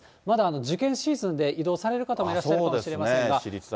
まだ受験シーズンで、移動される方もいらっしゃるかもしれませんが。